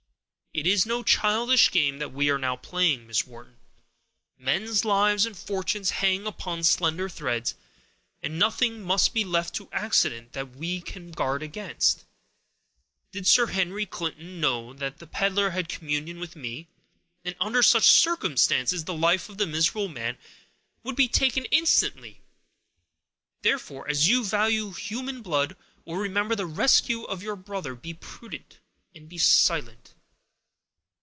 "It is no childish game that we are now playing, Miss Wharton. Men's lives and fortunes hang upon slender threads, and nothing must be left to accident that can be guarded against. Did Sir Henry Clinton know that the peddler had communion with me, and under such circumstances, the life of the miserable man would be taken instantly; therefore, as you value human blood, or remember the rescue of your brother, be prudent, and be silent.